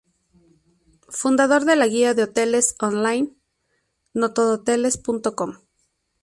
Fundador de la guía de hoteles "online" Notodohoteles.com.